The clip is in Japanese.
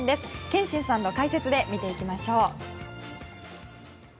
憲伸さんの解説で見ていきましょう。